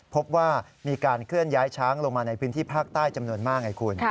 พบว่ามีการเคลื่อนย้ายช้างลงมาในพื้นที่ภาคใต้จำนวนมากไงคุณ